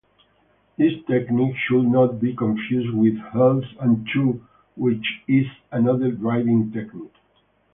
This technique should not be confused with heel-and-toe, which is another driving technique.